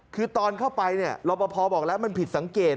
คือตอนเข้าไปเนี่ยรบพบอกแล้วมันผิดสังเกต